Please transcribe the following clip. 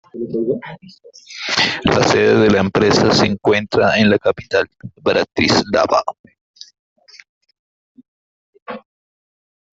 La sede de la empresa se encuentra en la capital, Bratislava.